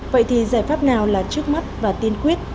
vậy thì giải pháp nào là trước mắt và tiên quyết